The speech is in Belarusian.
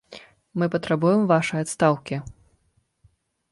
Мы патрабуем вашай адстаўкі.